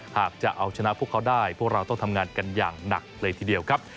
หากจะเอาชนะพวกเขาได้พวกเราต้องทำงานกันอย่างหนักเลยทีเดียวครับ